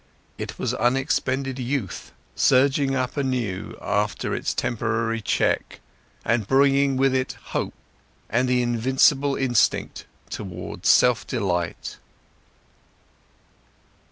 It was unexpected youth, surging up anew after its temporary check, and bringing with it hope, and the invincible instinct towards self delight.